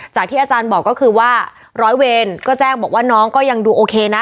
จากที่อาจารย์บอกก็คือว่าร้อยเวรก็แจ้งบอกว่าน้องก็ยังดูโอเคนะ